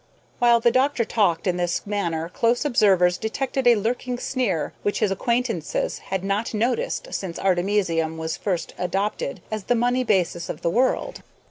While the doctor talked in this manner close observers detected a lurking sneer which his acquaintances had not noticed since artemisium was first adopted as the money basis of the world.